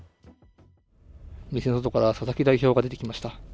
店から佐々木代表が出てきました。